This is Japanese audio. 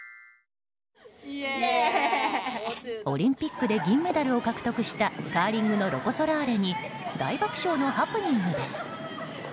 オリンピックで銀メダルを獲得したカーリングのロコ・ソラーレに大爆笑のハプニングです。